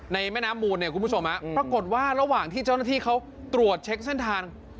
แม่น้ำมูลเนี่ยคุณผู้ชมปรากฏว่าระหว่างที่เจ้าหน้าที่เขาตรวจเช็คเส้นทาง